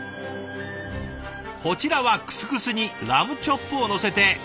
こちらはクスクスにラムチョップをのせて。